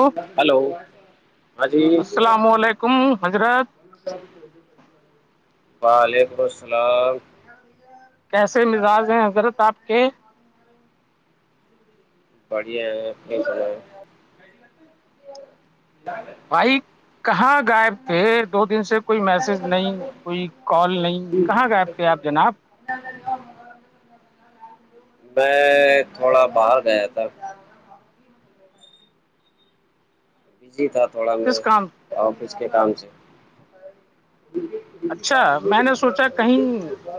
hello hello السلام علیکم حضرت وعلیکم السلام کیسے مزاج ہیں حضرت آپ کے بڑھیا ہے جان بھائی کہاں گائے پے دو دن سے کوئی میسج نہیں کوئی کال نہیں کہاں گئے تھے آپ جناب میں تھوڑا باہر گیا تھا بزی تھا تھوڑا میں کس کام آفس کے کام سے اچھا میں نے سوچا کہیں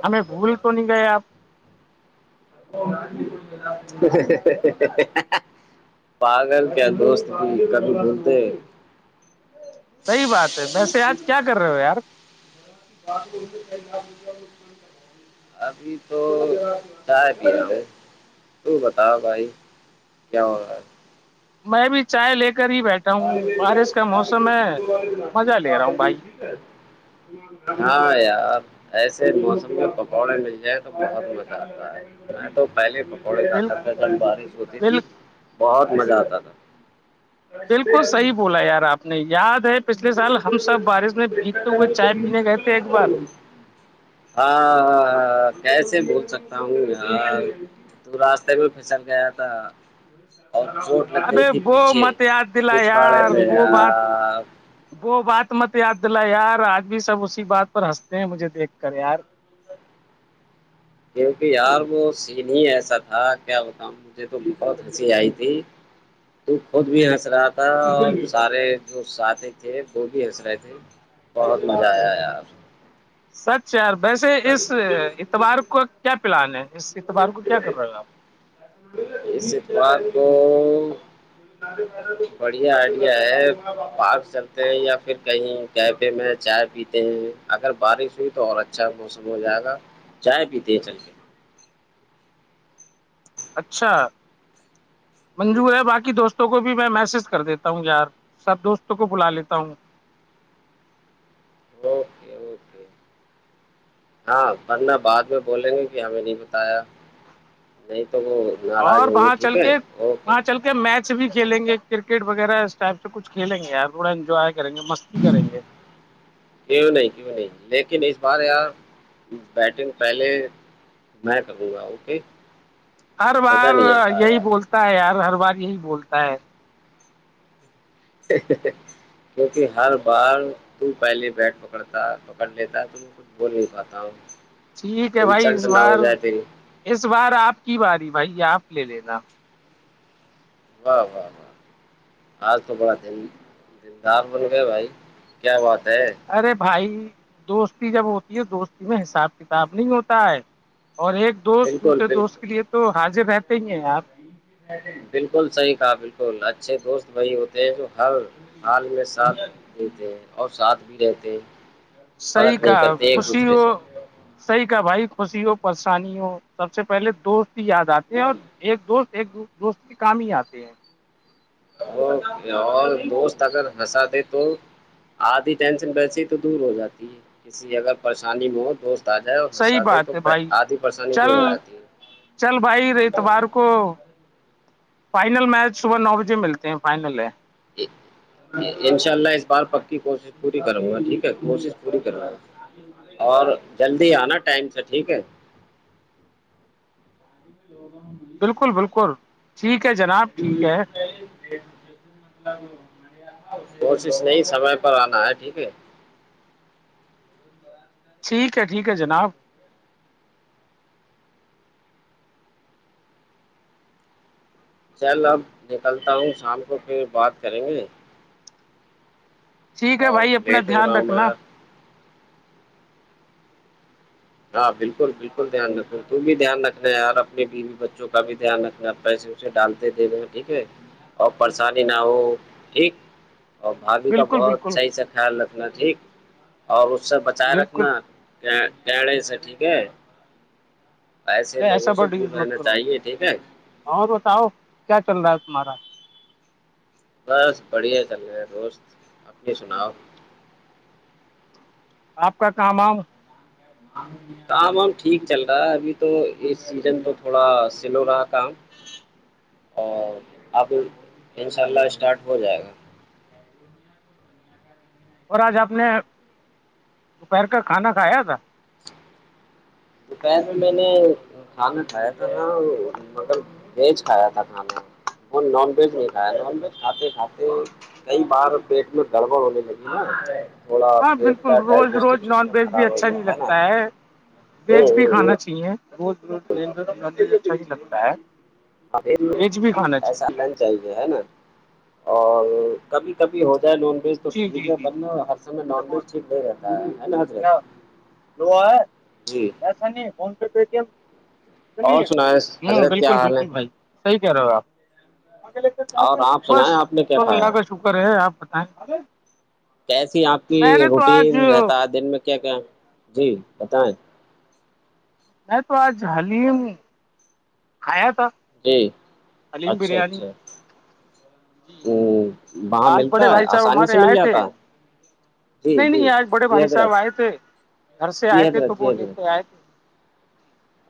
ہمیں بھگول تو نہیں گئے آپ [unintelligible] پاگل کیا دوست کی کبھی بولتے صحیح بات ہے ویسے آج کیا کر رہے ہو یار [inaudible] ابھی تو چائے پی رہا تھ ہے تو بتاؤ بھائی کیا ہو میں بھی چائے لے کر ہی بیٹھا [inaudible] ہوں بارش کا موسم ہے مزہ لے رہا ہوں بھائی ہاں یار ایسے موسم میں پکوڑے مل جائیں تو بہت مزہ آتا ہے میں تو پہلے پکوڑے کا بال تھا تھا بارش ہوتی بال تھی بہت مزہ آتا تھا بالکل صحیح بولا یار آپ نے یاد ہے پچھلے سال ہم سب بارش میں بیتتے ہوئے چائے پینے گئے تھے ایک بار ہاں کیسے بول سکتا ہوں تو راستے بھی پھسل گیا تھا اور چ کئی ابے وہ پیھے مت یاد دلا پچ یار والڑے وہ بات وہ بات مت یاد دلا یار آج بھی سب اسی بات پر ہنستے ہیں مجھے دیکھ کر یار کیونکہ یار وہ سین ایسا تھا کیا بتا مجھے تو بہت ہنسی آئی تھی تو خود بھی ہنس رہا تھا اور سارے جو ساتھی تھے وہ بھی ہنس رہے تھے بہت مزہ آیا یار سچ یار ویسے اس اتبار کا کیا پلان ہے اس اعتبار کو کیا کر رہے ہو آپ استوار کو بڑھیا آئیڈیا ہے پارک چلتے ہیں یا پھر کہیں کیفے میں چائے پیتے ہیں اگر بارش ہوئی تو اور اچھا موسم ہو جائے گا چائے پیتے ہے چلتے اچھا منجو ہے باقی دوستوں کو بھی میں میسج کر دیتا ہوں یار سب دوستوں کو بلا لیتا ہوں اوکے اوکے ہاں ورنہ بعد میں بولیں گے کہ ہمیں نہیں بتایا نہیں تو وہ ناراض اور ہوں گے وہاں چل ٹھیک ہے کے اوکے وہاں چل میچ بھی کھیلیں گے کرکٹ وغیرہ اس ٹائپ سے کچھ کھیلیں گے ار تھوڑا انجوائے کریں گے مستی کریں گے کیوں نہیں کیوں نہیں لیکن اس بار ار بیٹنگ پہلے میں کروں گا اوکے ہر مزہ بار نہیں آتا یہی یار بولتا ہے یار ہر بار یہی بولتا ہے کیونکہ ہر بار تو پہلے بیٹ پکڑتا پکڑ لیتا تو کچھ بول نہیں کاتا ہوں ٹھیک ہے بھائی انسلٹ اس نہ ہو بار جائے تیری اس بار آپ کی باری بھائی آپ لے لینا واہ واہ واہ آج تو بڑا دن ددار بول گئے بھائی کیا بات ہے ارے بھائی دوستی جب ہوتی ہے دوستی میں حساب کتاب نہیں ہوتا ہے اور ایک دوست بالکل دوسرے دوست کے لیے بالکل تو حاضر رہتے ہی ہیں آپ بالکل صحیح کہ بالکل اچھے دوست بی ہوتے ہیں جو ہر حال میں ساتھ دیتے اور ساتھ بھی رہتے صحی فرق نہیں کہ کرتے ایک خوشی دوسرے ہو سے صحیح کہ بھائی خوشی ہو پریشانی ہو سب سے پہلے دوست ہی یاد آتے ہیں اور ایک دوست ایک دو دوست کے کام ہی آتے ہیں وہ اور دوست اگر ہنسا دے تو آدھی ٹینشن بییسی تو دور ہو جاتی ہے کسی اگر پریشانی میں ہو دوست تازہ ہے اور ہس صحیح دے تو بات ہے بھائی آدھی پریشانی چل تو ہو آتی ہے چل بھائی اتوار کو فائنل میچ صبح نو بجے ملتے ہیں فائنل ہے ایک انشاء اللہ اس بار پک کی کوشش پوری کروں گا ٹھیک ہے کوشش پوری کروا گا اور جلدی آنا ٹائم سے ٹھیک ہے [inaudible] بالکل بالکل ٹھیک ہے جناب ٹھیک ہے کوشش نہیں سمے پر آنا ہے ٹھیک ہے ٹھیک ہے ٹھیک ہے جناب چل اب نکلتا ہوں شام کو پھر بات کریں گے ٹھیک ہے اور بھائی اپنا لیٹ ہو دھیان رہا ہوں میں رکھنا یار ہاں بالکل بالکل دھیان رکھنا ت تو بھی دھیان رکھنا ہے ار اپنی بیوی بچوں کا بھی دھیان رکھنا ہے پیسے اسے ڈالتے دے گئے ٹھیک ہے اور پریشانی نہ ہو ٹھیک اور بھاابھی کا بالکل بہت بالکل صحیح سے خیال رکھنا ٹھیک اور اس سے بچائے بالکل رکھنا کیا گڑے سے ٹھیک ہے ایسے ارے ایسا لوگوں سے برڈ دور یوز مت رہنا کرو چاہیے ٹھیک ہے اور بتاؤ کیا چل رہا ہے تمہارا بس بڑھیا چل رہے ہے دوست اپنی سناؤ آپ کا کام ہاں کام وام ٹھیک چل رہا ہے ابھی تو یہ سیزن تو تھوڑا سلو رہا کام اور آپ ان شاء اللہ اسٹارٹ ہو جائے گا اور آج آپ نے دوپہر کا کھانا کھایا تھا [inaudible] دوپہر میں میں نے کھانا کھایا تھا نا مطلب ویج کھایا تھا کھانا اور نان ویج نہیں کھایا نان ویج کھاتے کھاتے کئی بار پیٹ میں گڑبڑ ہونے لگی ہے ہاں بالکل روز روز نان ویج بھی خراب ہو اچھا گیا نہیں نا لگتا ہے ویج بھی کھانا چاہیے روزز اچھا ہی لگتا ہے ہاں ویج بھی کھانا چاہیے ایسا چاہیے ہے نا اور کبھی کبھی ہو جائے نان ویج تو جی ٹھیک جی ہے جی بن جی ہر سمے نان ویج ٹھیک نہیں رہتا ہے ناض کیا [unintelligible] جی ایسا نہیں ف پ اور سنائیں ہ حضرت کیا بکل حال ہے بکل بھائی صحیح کہہ رہے ہو اور آپگے آپ سنائیں بس آپ نے کیا کھایا اللہ کا شکر ہے آپ بتائیں کیسی آپ کی میں نے تو آج روٹین رہتا ہے میں دن میں کیا کیا جی بتائیں میں تو آج حلیم کھایا تھا جی حلیم اچھا بریانی اچھا جی ہاں وہاں آج ملتا بڑے ہے بھائی صاحب آسانی سے ہمارے مل آئے تھے جاتا ہے جی نہیں جی نہیں آج بڑے جی بھائی حدرت صاحب آئے تھے گھر سے جی آئے تھے حضرت تو جی وہ حضرت لیتے آئے تھے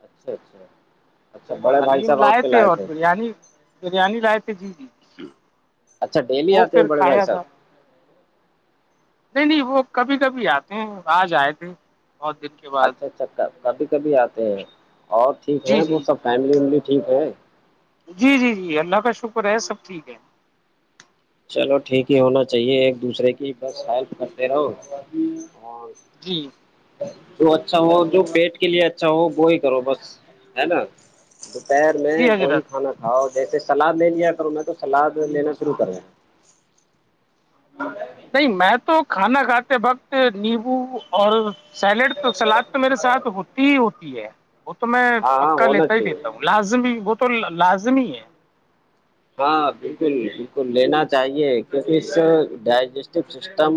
اچھا اچھا تو اچھا وہ بڑے بھائی حلیم صاحب آپ لائے کے تھے اور بریانی بریانی لائے تھے جی جی اچھا ڈیلی وہ آتے ہیں پھر بڑے بھائی کھایا تھا صاحب نہیں نہیں وہ کبھی کبھی آتے ہیں آج آئے تھے بہت دن کے بعد اچھا اچھا کبھی کبھی آتے ہیں اور ٹھیک جی ہیں وہ جی سب فیملی ویملی ٹھیک ہے جی جی جی اللہ کا شکر ہے سب ٹھیک ہے چلو ٹھیک ہے ہونا چاہیے ایک دوسرے کی بس ہیلپ کرتے رہو جی تو اچھا ہو جو پیٹ کے لیے اچھا ہو وہی کرو بس ہے نا دوپہر میں جی وہی حضرت کھانا کھاؤ جیسے سلاد لے لیا کروں میں تو سلاد لینا شروع کروں [unintelligible] نہیں میں تو کھانا کھاتے وقت نیبو اور سیلیڈ تو سلاد تو میرے ساتھ ہوتی ہی ہوتی ہے وہ تو میں ہاں ہاں پکا ہونا لیتا ہی چاہیے لیتا ہوں لازمی وہ تو لازمی ہے ہاں بالکل بالکل لینا چاہیے کیونکہ اس ڈائجسٹو سسٹم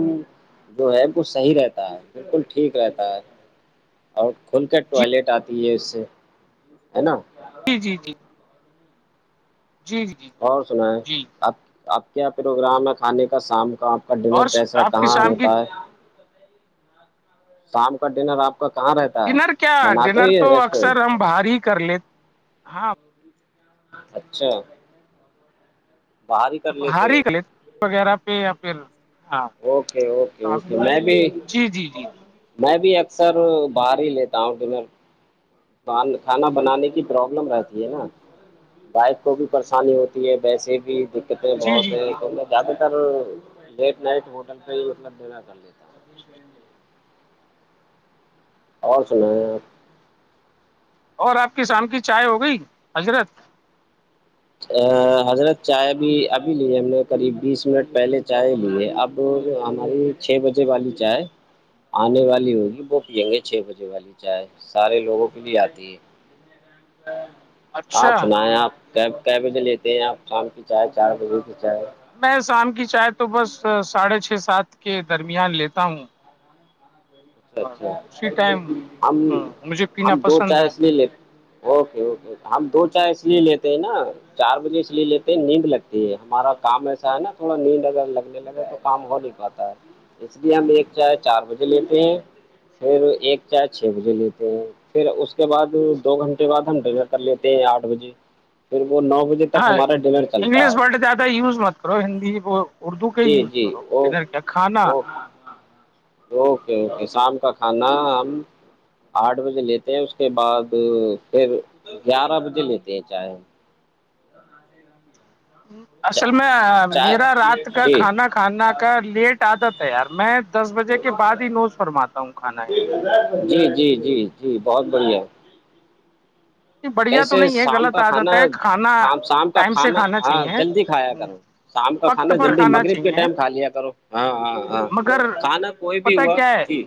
جو ہے وہ صحیح رہتا ہے بالکل ٹھیک رہتا ہے اور کھل کر جی ٹوائلیٹ آتی ہے اس سے ہے نا جی جی جی جی جی اور سنیں جی آپ آپ کیا پروگرام ہے کھانے کا شام کا کا اور ڈنر کیسا ہے آپ کی کہاں شام کی ہوتا ہے شام کا ڈنر آپ کا کہاں رہتا ہے ڈنر کیا بناتے ڈنر ہی تو ہے اکثر ہم ریسٹورینٹ باہر ہی کر لیتے ہاں اچھا باہر ہی کر ہار لیتے ہی ہو کا لی وغیرہ پہ یا پھر ہاں اوکے اوکے شام اوکے کو میں بھی جی جی جی جی میں بھی اکثر باہر ہی لیتا ہوں ڈنر کھانا بنانے کی پرابلم رہتی ہے نا بائک کو بھی پریشانی ہوتی ہے ویسے بھی کتنے جی جی بہت جی ہے تو مب زیادہ تر لیٹ نائٹ ہوٹل پہ ہی مطلب دینا کر لیتا ہے اور سنا ہے آپ اور آپ کی شام کی چائے ہو گئی حضرت ا حضرت چائے بھی ابھی لی ہے ہم نے قریب بیس منٹ پہلے چائے لی ہے اب تو ہماری چھ بجے والی چائے آنے والی ہوگی وہ پیئیں گے چھ بجے والی چائے سارے لوگوں کے لیے آتی ہے اچھا آپ سنا ہے آپ کی بجے لیتے ہیں آپ شام کی چائے چار بجے کی چائے میں شام کی چائے تو بس ساڑھے چھ سات کے درمیان لیتا ہوں اور اچھا اسی ٹائم اچھا ہم مجھے پینا ہم دو پسند ہے چوائس لے لیں اوکےوکے ہم دو چائے اس لیے لیتے ہیں نا چار بجے اس لیے لیتے ہیں نیند لگتی ہے ہمارا کام ایسا ہے نا تھوڑا نیند اگر لگنے لگے تو کام ہو نہیں پاتا ہے ہاں اس لیے ہم ایک چاہ چار بجے لیتے ہیں پھر ایک چار چھ بجے لیتے ہیں پھر اس کے بعد دو گھنٹے بعد ہم ڈریر کر لیتے ہیں آٹھ بجے پھر وہ نو بجے تک ہاں ہمارا ڈنر چلتا انگلش ہے ورڈ زیادہ یوز مت کرو ہندی وہ اردو کے ہی جی یوز جی کرو اوک کدھر کیا کھانا اوک اوکے اوکے شام کا کھانا ہم آٹھ بجے لیتے ہیں اس کے بعد پھر گیارہ بجے لیتے ہیں چاہے اصل میں چائے میرا رات کا جی کھانا کھانا کا لیٹ آتا تھا یار میں دس بجے کے بعد ہی نوز فرماتا ہوں کانا یہاں پہ جی جی جی جی بہت بڑھیا ہے یہ بڑھیا تو ویسے نہیں ہے شام غلط کا کھانا عادت ہے کھانا شام کا ٹائم سے کھانا ہاں جلدی کھایا چاہیے کرو شام کا وقت کھانا پر جلدی مغرب کے چاہیے ٹائم کھا لیا کرو ہاں ہاں ہاں مگر کھانا کوئی بھی پتا ہوا کیا ہے جی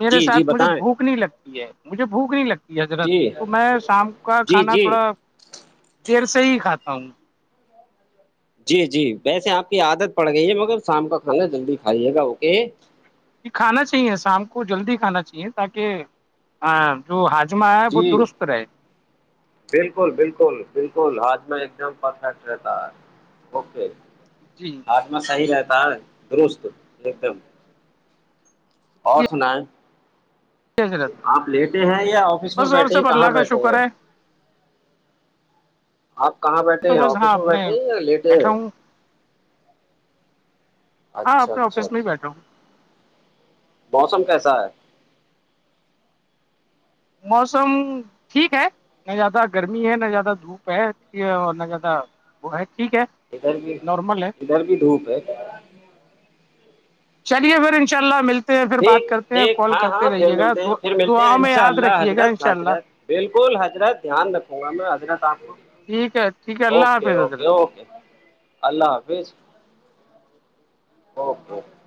میرے جی جی ساتھ مجھے بتائیں بھوک نہیں لگتی ہے مجھے بھوک نہیں لگتی حضرت جی تو میں شام کا جی کھانا جی تھوڑا دیر سے ہی کھاتا ہوں جی جی ویسے آپ کی عادت پڑ گئی ہے مگر شام کا کھانا جلدی کھائیے گا اوکے جی کھانا چاہیے شام کو جلدی کھانا چاہیے تاکہ ہاں جو ہاجمہ ہے وہ جی درست رہے بالکل بالکل بالکل آج میں ایک دم پرفیکٹ رہتا ہے اوکے جی آاتم صحیح رہتا ہے درست ایک دم اور جی سنا ہے حضرت آپ لیٹے ہیں یا آفس میں بس اور بیٹھے ہیں سب کہاں اللہ کا بیٹھے شکر ہیں ہے آپ کہاں بیٹھے تو ہیں بس ہاں آفس میں اپنے بیٹھے ہیں یا لیٹے بیٹھا ہے ہوں ہاں اچھا اپنے اچھا آفس میں ہی اچھا بیٹھا ہوں موسم کیسا ہے موسم ٹھیک ہے نہ زیادہ گرمی ہے نہ زیادہ دھوپ ہے اور نہ زیادہ وہ ہے ٹھیک ہے ادھر بھی نارمل ہے ادھر بھی دھوپ ہے چلیے پھر ان شاء اللہ ملتا پھر بات ٹھیک کرتے ہیں ٹھیک کال ہاں کرتے ہاں پھر رہیے گا ملتے ہیں پھر ملتے ہیں دعاؤں ان میں شاء یاد اللہ رکھیے گا ان حضرت شاء اللہ حضرت بالکل حضرت دھیان رکھوں گا میں حضرت آپ کو ٹھیک ہے ٹھیک ہے اللہ اوکے حافظ حضرت اوکے اوکے اللہ حافظ اوکےکے